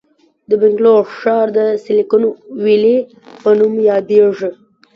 د بنګلور ښار د سیلیکون ویلي په نوم یادیږي.